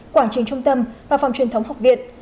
quảng trường trung tâm và phòng truyền thống học viện